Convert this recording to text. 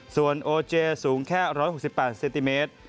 ส่วนโอเจสูงแค่๑๖๘เซนติเมตร